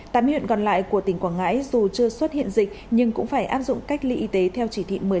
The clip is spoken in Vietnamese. tám huyện còn lại của tỉnh quảng ngãi dù chưa xuất hiện dịch nhưng cũng phải áp dụng cách ly y tế theo chỉ thị một mươi năm để phòng dịch